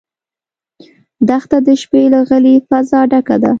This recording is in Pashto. دښته د شپې له غلې فضا ډکه ده.